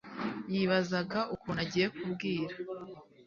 yibazaga ukuntu agiye kubwira